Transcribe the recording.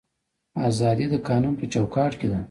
ازادي د قانون په چوکاټ کې ده